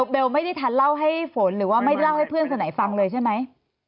เบลไม่ได้ทันเล่าให้ฝนหรือว่าไม่เล่าให้เพื่อนคนไหนฟังเลยใช่ไหม